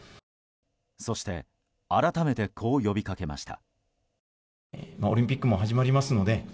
そして改めてこう呼びかけました。